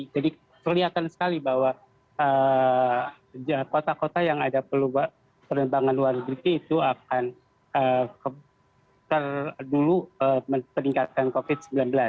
jadi kelihatan sekali bahwa kota kota yang ada pengembangan luar negeri itu akan terdulu meningkatkan covid sembilan belas